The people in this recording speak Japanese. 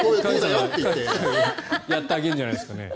やってあげるんじゃないですかね。